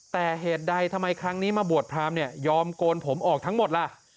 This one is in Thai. แต่เหตุใดทำไมครั้งนี้มาบวชพรามเนี่ยยอมโกนผมออกทั้งหมดล่ะ